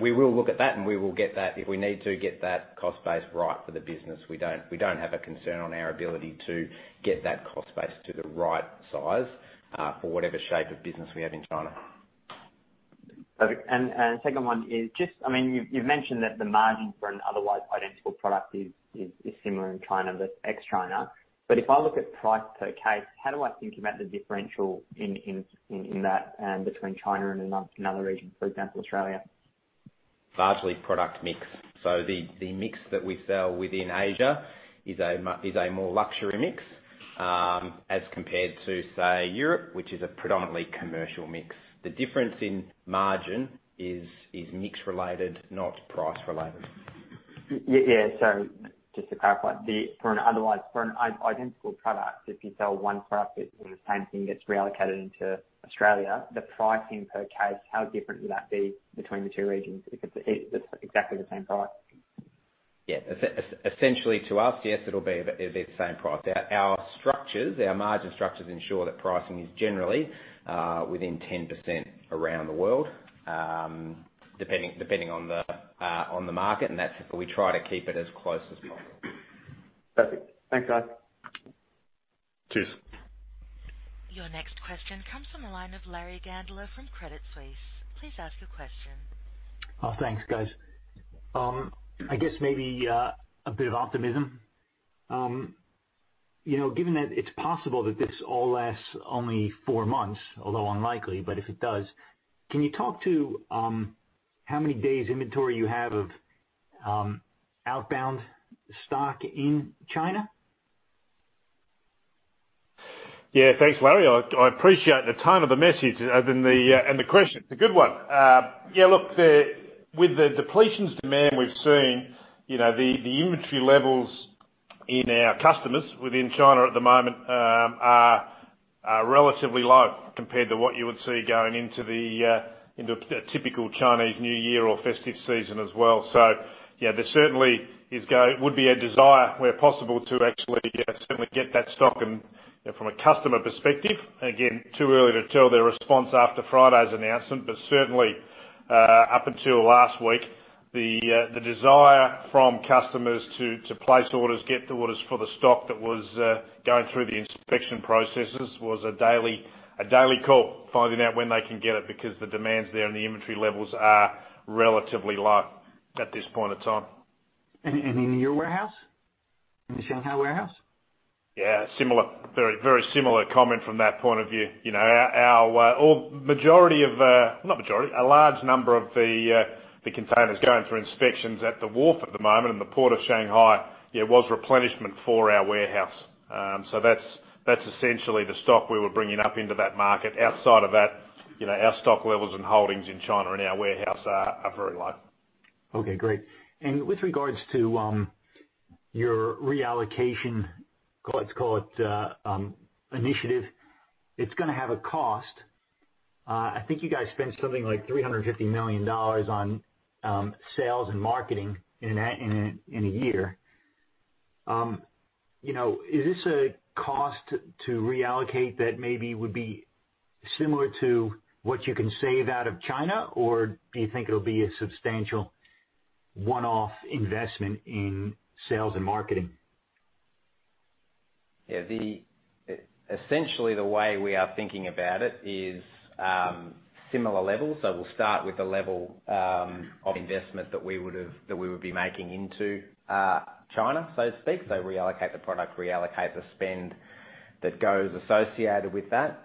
we will look at that, and we will get that. If we need to get that cost base right for the business, we don't have a concern on our ability to get that cost base to the right size for whatever shape of business we have in China. Perfect. And second one is just, I mean, you've mentioned that the margin for an otherwise identical product is similar in China, ex-China. But if I look at price per case, how do I think about the differential in that between China and another region, for example, Australia? Largely product mix. So the mix that we sell within Asia is a more luxury mix as compared to, say, Europe, which is a predominantly commercial mix. The difference in margin is mix-related, not price-related. Yeah. So just to clarify, for an identical product, if you sell one product that's the same thing that's reallocated into Australia, the pricing per case, how different would that be between the two regions if it's exactly the same price? Yeah. Essentially, to us, yes, it'll be the same price. Our margin structures ensure that pricing is generally within 10% around the world, depending on the market. And that's why we try to keep it as close as possible. Perfect. Thanks, guys. Cheers. Your next question comes from the line of Larry Gandler from Credit Suisse. Please ask your question. Oh, thanks, guys. I guess maybe a bit of optimism. Given that it's possible that this all lasts only four months, although unlikely, but if it does, can you talk to how many days inventory you have of outbound stock in China? Yeah. Thanks, Larry. I appreciate the tone of the message and the question. It's a good one. Yeah, look, with the depletions demand we've seen, the inventory levels in our customers within China at the moment are relatively low compared to what you would see going into a typical Chinese New Year or festive season as well. So yeah, there certainly would be a desire where possible to actually certainly get that stock from a customer perspective. Again, too early to tell their response after Friday's announcement, but certainly up until last week, the desire from customers to place orders, get the orders for the stock that was going through the inspection processes was a daily call, finding out when they can get it because the demands there and the inventory levels are relatively low at this point in time. And in your warehouse, in the Shanghai warehouse? Yeah. Similar. Very similar comment from that point of view. The majority of, not majority, a large number of the containers going through inspections at the wharf at the moment and the Port of Shanghai was replenishment for our warehouse. So that's essentially the stock we were bringing up into that market. Outside of that, our stock levels and holdings in China and our warehouse are very low. Okay. Great. And with regards to your reallocation, let's call it initiative, it's going to have a cost. I think you guys spent something like 350 million dollars on sales and marketing in a year. Is this a cost to reallocate that maybe would be similar to what you can save out of China, or do you think it'll be a substantial one-off investment in sales and marketing? Yeah. Essentially, the way we are thinking about it is similar levels. So we'll start with the level of investment that we would be making into China, so to speak. So reallocate the product, reallocate the spend that goes associated with that.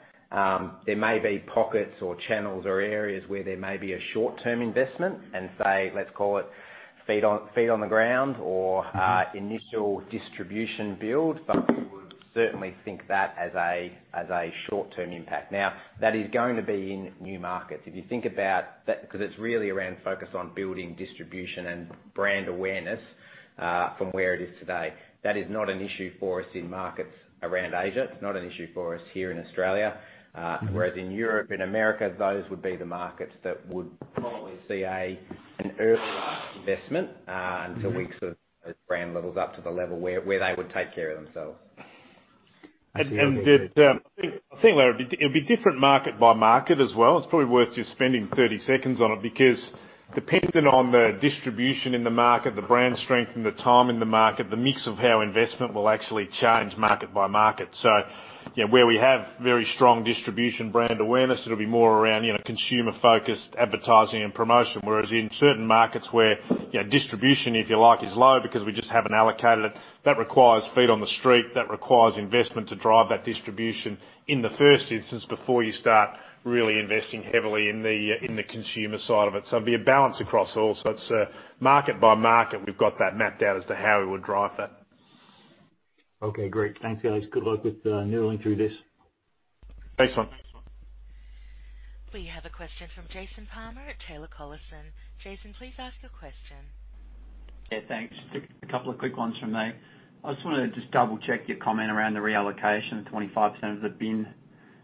There may be pockets or channels or areas where there may be a short-term investment and say, let's call it feet on the ground or initial distribution build, but we would certainly think that as a short-term impact. Now, that is going to be in new markets. If you think about that, because it's really around focus on building distribution and brand awareness from where it is today, that is not an issue for us in markets around Asia. It's not an issue for us here in Australia. Whereas in Europe and America, those would be the markets that would probably see an earlier investment until we sort of brand levels up to the level where they would take care of themselves. I think, Larry, it'll be different market by market as well. It's probably worth just spending 30 seconds on it because depending on the distribution in the market, the brand strength and the time in the market, the mix of how investment will actually change market by market. Where we have very strong distribution brand awareness, it'll be more around consumer-focused advertising and promotion. Whereas in certain markets where distribution, if you like, is low because we just haven't allocated it, that requires feet on the street. That requires investment to drive that distribution in the first instance before you start really investing heavily in the consumer side of it. It'll be a balance across all. It's market by market. We've got that mapped out as to how we would drive that. Okay. Great. Thanks, guys. Good luck with noodling through this. Thanks, man. We have a question from Jason Palmer at Taylor Collison. Jason, please ask your question. Yeah. Thanks. Just a couple of quick ones from me. I just want to just double-check your comment around the reallocation of 25% of the Bin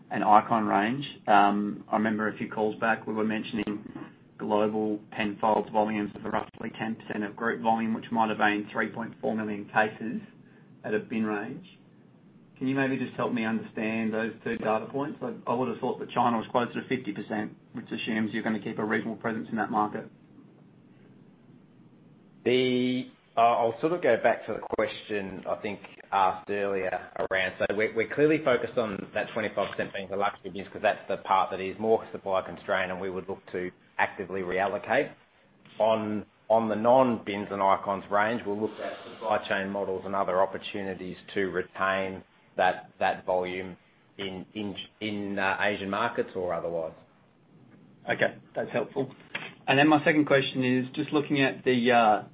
and Icon range. I remember a few calls back, we were mentioning global Penfolds volumes of roughly 10% of group volume, which might have been 3.4 million cases at a Bin range. Can you maybe just help me understand those two data points? I would have thought that China was closer to 50%, which assumes you're going to keep a reasonable presence in that market. I'll sort of go back to the question I think asked earlier around. So we're clearly focused on that 25% being the luxury business because that's the part that is more supply constrained, and we would look to actively reallocate. On the non-Bin and Icon range, we'll look at supply chain models and other opportunities to retain that volume in Asian markets or otherwise. Okay. That's helpful. And then my second question is just looking at the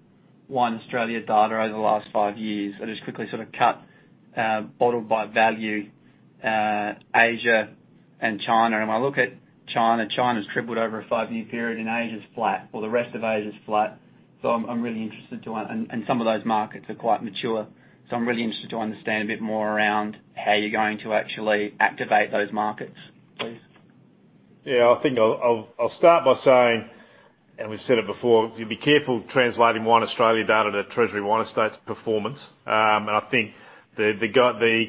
Wine Australia data over the last five years. I just quickly sort of cut bottled by value Asia and China. And when I look at China, China's tripled over a five-year period, and Asia's flat, or the rest of Asia's flat. So I'm really interested to—and some of those markets are quite mature. So I'm really interested to understand a bit more around how you're going to actually activate those markets, please. Yeah. I think I'll start by saying, and we've said it before, you'll be careful translating Australian data to Treasury Wine Estates performance. And I think the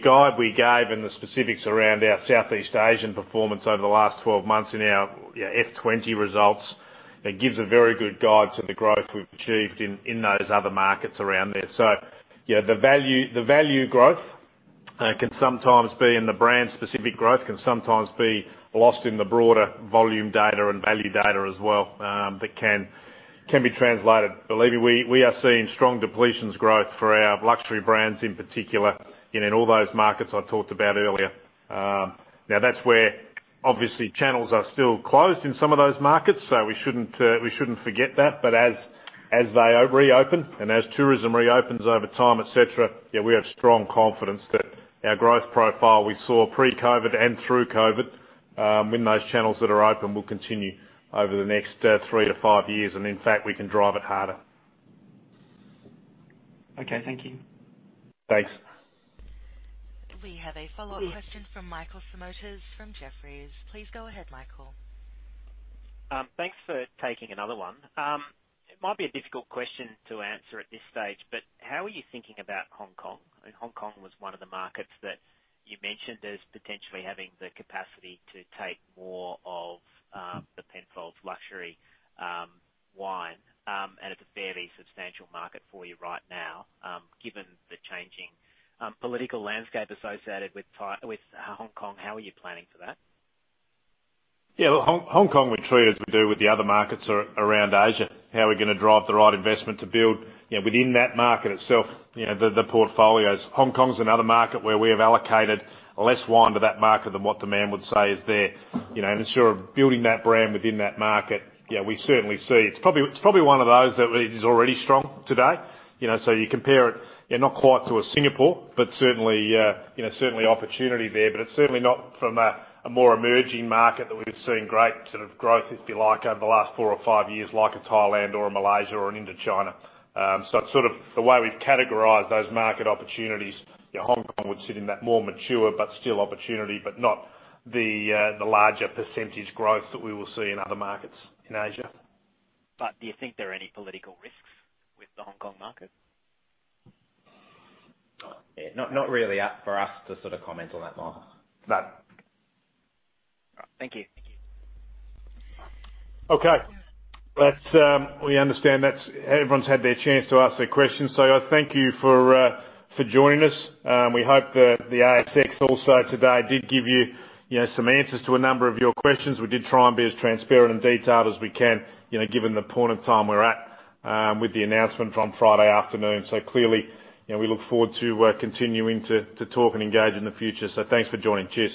guide we gave and the specifics around our Southeast Asian performance over the last 12 months in our FY20 results gives a very good guide to the growth we've achieved in those other markets around there. So the value growth can sometimes be, and the brand-specific growth can sometimes be lost in the broader volume data and value data as well that can be translated. Believe me, we are seeing strong depletions growth for our luxury brands in particular in all those markets I talked about earlier. Now, that's where obviously channels are still closed in some of those markets, so we shouldn't forget that. But as they reopen and as tourism reopens over time, etc., yeah, we have strong confidence that our growth profile we saw pre-COVID and through COVID in those channels that are open will continue over the next three to five years. And in fact, we can drive it harder. Okay. Thank you. Thanks. We have a follow-up question from Michael Simotas from Jefferies. Please go ahead, Michael. Thanks for taking another one. It might be a difficult question to answer at this stage, but how are you thinking about Hong Kong? I mean, Hong Kong was one of the markets that you mentioned as potentially having the capacity to take more of the Penfolds luxury wine. And it's a fairly substantial market for you right now. Given the changing political landscape associated with Hong Kong, how are you planning for that? Yeah. Hong Kong, we treat as we do with the other markets around Asia. How are we going to drive the right investment to build within that market itself, the portfolios? Hong Kong's another market where we have allocated less wine to that market than what demand would say is there. And instead of building that brand within that market, yeah, we certainly see it's probably one of those that is already strong today. So you compare it, you're not quite to a Singapore, but certainly opportunity there. But it's certainly not from a more emerging market that we've seen great sort of growth, if you like, over the last four or five years, like a Thailand or a Malaysia or an Indochina. So it's sort of the way we've categorized those market opportunities. Hong Kong would sit in that more mature but still opportunity, but not the larger percentage growth that we will see in other markets in Asia. But do you think there are any political risks with the Hong Kong market? Not really for us to sort of comment on that, Mark. All right. Thank you. Okay. We understand everyone's had their chance to ask their questions. So I thank you for joining us. We hope that the ASX also today did give you some answers to a number of your questions. We did try and be as transparent and detailed as we can given the point of time we're at with the announcement from Friday afternoon. So clearly, we look forward to continuing to talk and engage in the future. So thanks for joining. Cheers.